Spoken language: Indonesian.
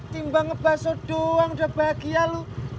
timba ngebaso doang udah bahagia lu